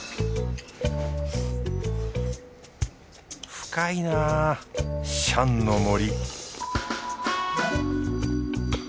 深いなぁシャンの森